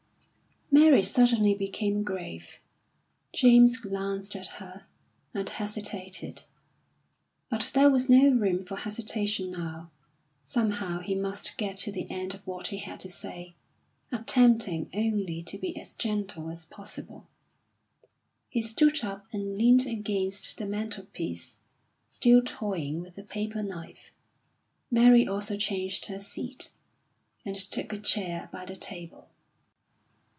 Mary suddenly became grave, James glanced at her, and hesitated; but there was no room for hesitation now. Somehow he must get to the end of what he had to say, attempting only to be as gentle as possible. He stood up and leant against the mantelpiece, still toying with the paper knife; Mary also changed her seat, and took a chair by the table.